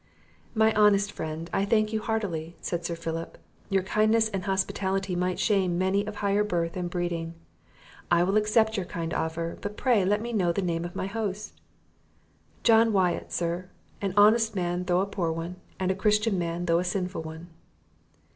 "My honest friend, I thank you heartily," said Sir Philip; "your kindness and hospitality might shame many of higher birth and breeding; I will accept your kind offer; but pray let me know the name of my host?" "John Wyatt, sir; an honest man though a poor one, and a Christian man, though a sinful one."